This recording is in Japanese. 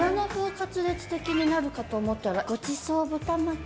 カツレツ的になるかと思ったらごちそう豚巻き？